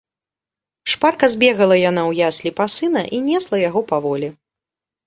Шпарка збегала яна ў яслі па сына і несла яго паволі.